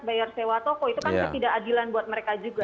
bayar sewa toko itu kan ketidakadilan buat mereka juga